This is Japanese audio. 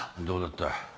どうだった？